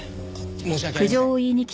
申し訳ありません。